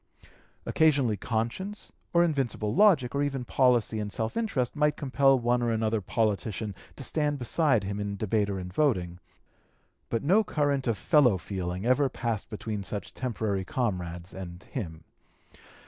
Occasionally conscience, or invincible logic, or even policy and self interest, might compel one or another politician to stand beside him in debate or in voting; but no current of fellow feeling ever passed between such temporary comrades and him.